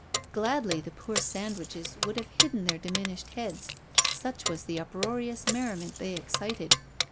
Gladly the poor sandwiches would have hidden their dimin ished heads, such was the uproarious merriment they, excited.